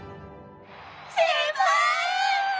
先輩！